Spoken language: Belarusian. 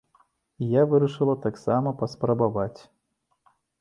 І я вырашыла таксама паспрабаваць.